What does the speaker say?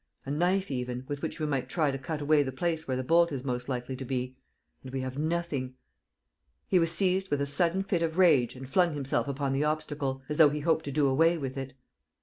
a knife even, with which we might try to cut away the place where the bolt is most likely to be ... and we have nothing. ..." He was seized with a sudden fit of rage and flung himself upon the obstacle, as though he hoped to do away with it.